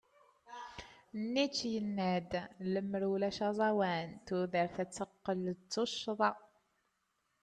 Nietzsche yenna-d: Lemmer ulac aẓawan, tudert ad teqqel d tuccḍa.